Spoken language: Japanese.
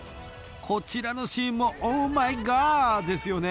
こちらのシーンもオーマイガーですよね